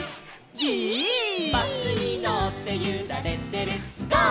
「バスにのってゆられてるゴー！